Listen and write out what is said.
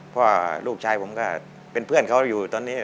พ่อลูกชายผมก็เป็นเพื่อนเขาอยู่ตอนนี้